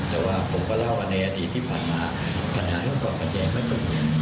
แต่ว่าผมก็เล่าว่าในอดีตที่ผ่านมาผ่านหาใช้ผลต่อปัญญาไม่ไหว